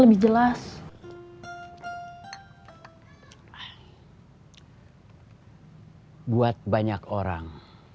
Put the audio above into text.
buat banyak orang